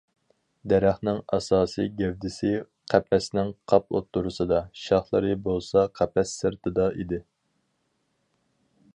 دەرەخنىڭ ئاساسىي گەۋدىسى قەپەسنىڭ قاپ ئوتتۇرىسىدا، شاخلىرى بولسا قەپەس سىرتىدا ئىدى.